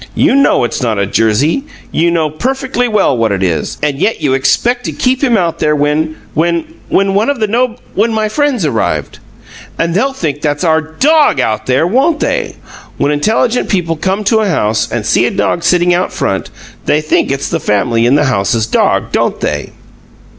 "You know it's not a jersey! You know perfectly well what it is, and yet you expect to keep him out there when when one of the one of the nobl when my friends arrive! And they'll think that's our DOG out there, won't they? When intelligent people come to a house and see a dog sitting out in front, they think it's the family in the house's dog, don't they?"